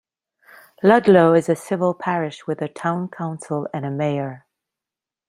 Ludlow is a civil parish with a town council and a mayor.